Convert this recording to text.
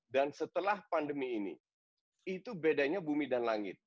setelah pandemi ini itu bedanya bumi dan langit